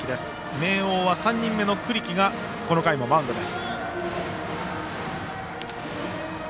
明桜は３人目の栗城がこの回もマウンドです。